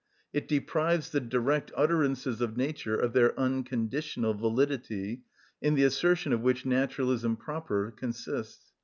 It deprives the direct utterances of nature of their unconditional validity, in the assertion of which naturalism proper consists.